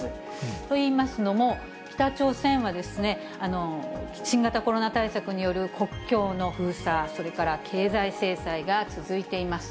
といいますのも、北朝鮮は新型コロナ対策による国境の封鎖、それから経済制裁が続いています。